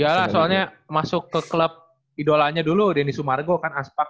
ya lah soalnya masuk ke klub idolanya dulu denny sumargo kan aspak